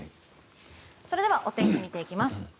それではお天気見ていきます。